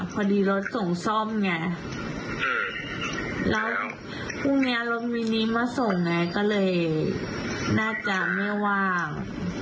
พอดีรถส่งซ่อมไงแล้วพรุ่งนี้รถมินิมาส่งไงก็เลยน่าจะไม่ว่าง